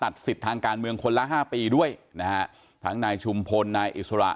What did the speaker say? สิทธิ์ทางการเมืองคนละห้าปีด้วยนะฮะทั้งนายชุมพลนายอิสระ